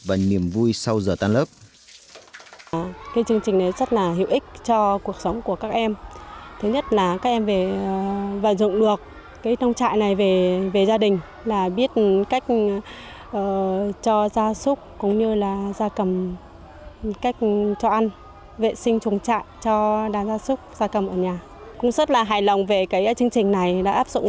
và niềm vui sau giờ tan lớp